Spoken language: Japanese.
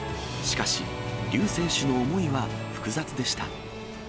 しかし、リュー選手の思いは複雑でした。